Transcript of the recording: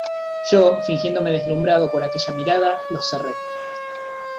yo fingiéndome deslumbrado por aquella mirada, los cerré.